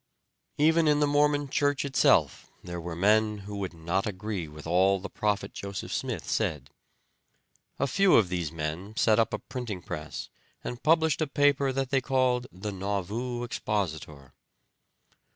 Even in the Mormon church itself there were men who would not agree with all the prophet Joseph Smith said. A few of these men set up a printing press and published a paper that they called the Nauvoo Expositor.